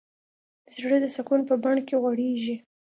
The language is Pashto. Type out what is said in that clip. زړه د سکون په بڼ کې غوړېږي.